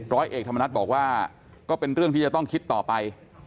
ร้อยเอกธรรมนัฏบอกว่าก็เป็นเรื่องที่จะต้องคิดต่อไป